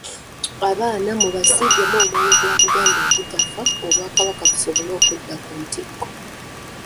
Abaana mubasigemu omwoyo gwa Buganda ogutafa Obwakabaka busobole okudda ku ntikko.